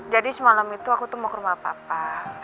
jadi semalam itu aku tuh mau ke rumah papa